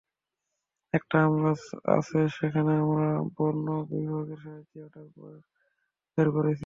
একটা আম গাছ আছে ওখানে, আমরা বনবিভাগের সাহায্যে, ওটার বয়স বের করতেছি।